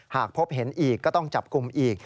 หากพบเห็นอีกก็ต้องจับกลุ่มอีก